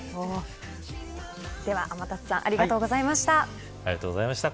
では天達さんありがとうございました。